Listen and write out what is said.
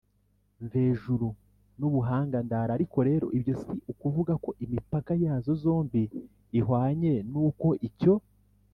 mvejuru n’ubuhanga- ndara. ariko rero ibyo si ukuvuga ko imipaka yazo zombi ihwanye n’uko icyo